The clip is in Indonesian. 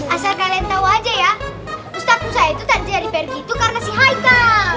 asal kalian tahu aja ya ustadz mursa itu tadi jadi pergi itu karena si haika